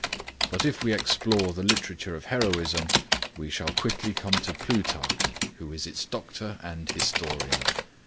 But if we explore the literature of Heroism we shall quickly come to Plutarch, who is its Doctor and historian.